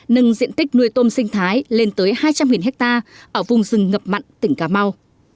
nâng diện tích nuôi tôm sinh thái lên tới hai trăm linh ha ở vùng rừng ngập mặn tỉnh cà mau